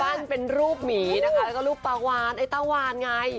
เป็นรูปหมีนะคะแล้วก็รูปปลาวานไอ้ตาวานไง